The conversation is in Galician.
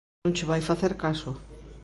Non che vai facer caso